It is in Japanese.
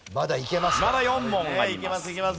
まだ４問あります。